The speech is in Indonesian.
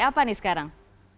apa nih sekarang